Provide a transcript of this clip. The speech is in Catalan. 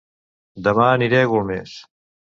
Dema aniré a Golmés